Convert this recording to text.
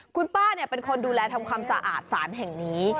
คุณป้าเป็นคนดูแลทำความสะอาดสารแห่งนี้